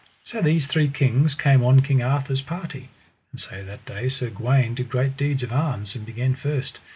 So these three kings came on King Arthur's party. And so that day Sir Gawaine did great deeds of arms, and began first.